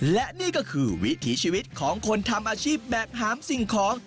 และนี่ก็คือวิถีชีวิตของคนทำอาชีพแบบหามสิ่งของ